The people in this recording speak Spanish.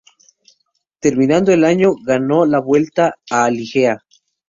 Terminando el año ganó la Vuelta a Lieja.